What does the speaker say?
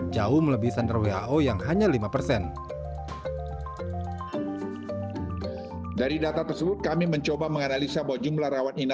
jauh melebih sender who yang hanya lima persen